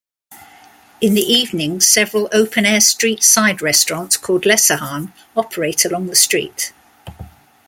In the evening several open-air street side restaurants, called "lesehan", operate along the street.